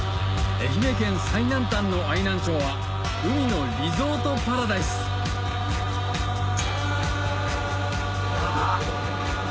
愛媛県最南端の愛南町は海のリゾートパラダイスあ！